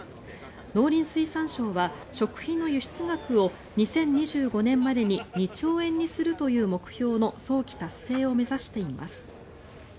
農林水産省は食品の輸出額を２０２５年までに２兆円にするという目標の早期達成を目指しています。